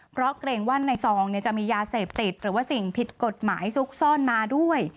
เพราะเกรงว่าในซองจะมียาเสพติดหรือว่าสิ่งผิดกฎหมายซุกซ่อนมาด้วย